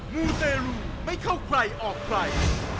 มูเตรลูไม่เข้าใครออกใคร